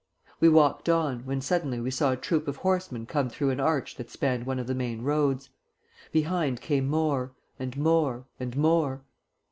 We walked on, when suddenly we saw a troop of horsemen come through an arch that spanned one of the main roads; behind came more, and more, and more.